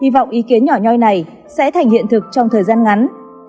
hy vọng ý kiến nhỏ nhoi này sẽ thành hiện thực trong thời gian ngắn